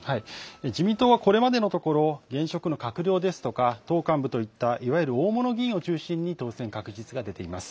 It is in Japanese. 自民党はこれまでのところ現職の閣僚ですとか党幹部といったいわゆる大物議員を中心に当選確実が出ています。